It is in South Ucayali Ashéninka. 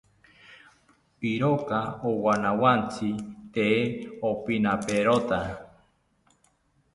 Iroka owanawontzi tee opinaperota